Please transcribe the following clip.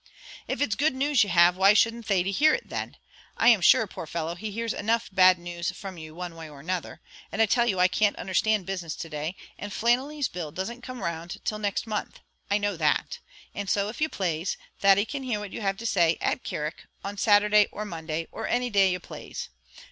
"If it's good news you have, why shouldn't Thady hear it then? I am sure, poor fellow, he hears enough of bad news from you one way or another. And I tell you I can't understand business to day, and Flannelly's bill doesn't come round till next month I know that; and so, if you plaze, Thady can hear what you have to say, at Carrick, on Saturday or Monday, or any day you plaze.